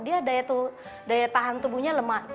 dia daya tahan tubuhnya lemah